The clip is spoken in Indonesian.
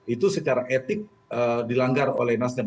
itu secara etik dilanggar oleh nasdem